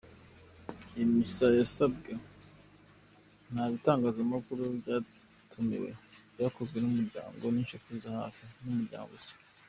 Iyi misa yasabwe ntabitangazamakuru byatumiwe, byakozwe n’umuryango n’inshuti zahafi mu muryango gusa.